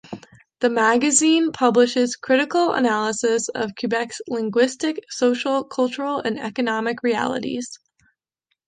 The magazine publishes critical analysis of Quebec's linguistic, social, cultural and economic realities.